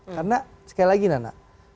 karena sekali lagi nanda